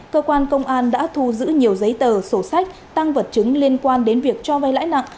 cơ quan công an đã thu giữ nhiều giấy tờ sổ sách tăng vật chứng liên quan đến việc cho vay lãi nặng